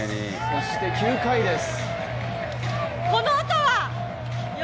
そして９回です。